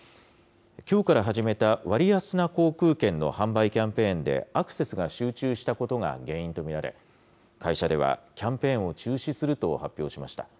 きょうから始めた割安な航空券の販売キャンペーンで、アクセスが集中したことが原因と見られ、会社ではキャンペーンを中止すると発表しました。